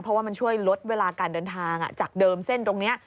เพราะว่ามันช่วยลดเวลาการเดินทางจากเดิมเส้นตรงนี้